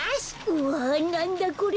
うわなんだこれ。